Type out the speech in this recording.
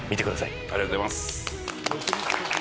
伊達：ありがとうございます。